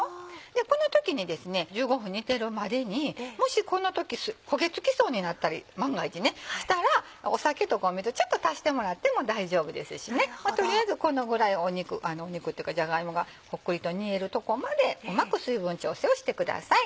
この時にですね１５分煮てるまでにもしこの時焦げ付きそうになったり万が一ねしたら酒とか水ちょっと足してもらっても大丈夫ですしとりあえずこのぐらいじゃが芋がほっくりと煮えるとこまでうまく水分調整をしてください。